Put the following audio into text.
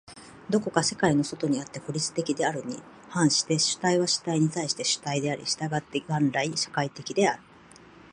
どこか世界の外にあって孤立的であるに反して、主体は主体に対して主体であり、従って元来社会的である。